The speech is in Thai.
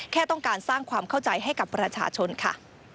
แค่ต้องการสร้างความเข้าใจให้กับประชาชนค่ะ